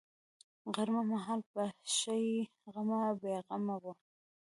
غرمه مهال به ښه بې غمه بې غمه وه.